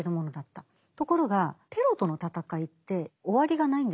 ところがテロとの戦いって終わりがないんですよ。